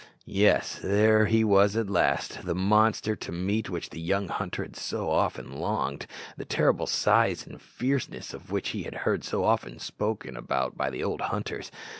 Yes, there he was at last, the monster to meet which the young hunter had so often longed the terrible size and fierceness of which he had heard so often spoken about by the old hunters.